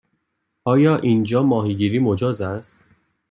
آیا اینجا ماهیگیری مجاز است؟